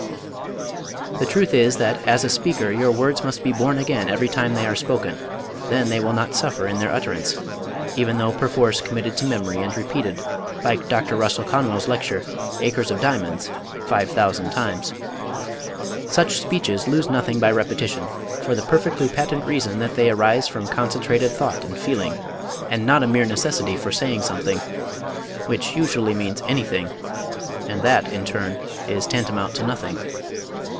The truth is, that as a speaker your words must be born again every time they are spoken, then they will not suffer in their utterance, even though perforce committed to memory and repeated, like Dr. Russell Conwell's lecture, "Acres of Diamonds," five thousand times. Such speeches lose nothing by repetition for the perfectly patent reason that they arise from concentrated thought and feeling and not a mere necessity for saying something which usually means anything, and that, in turn, is tantamount to nothing.